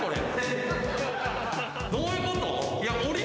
どういうこと？